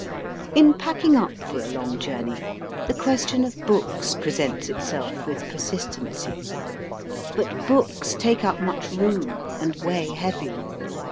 In packing up for a long journey the ques tion of books presents itself with persistency. But books take up much room, and weigh heavy.